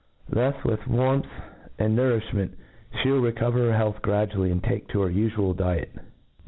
2. Thus, with warmth and nou^ " rifliment, ftc \pll recover her health gradually, and take to her ufual diet.